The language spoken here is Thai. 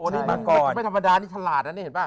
นี่ไม่ธรรมดานี่ฉลาดน่ะนี่เห็นป่ะ